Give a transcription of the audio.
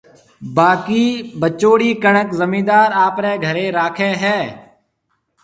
باڪِي بچوڙِي ڪڻڪ زميندار آپريَ گهريَ راکَي هيَ۔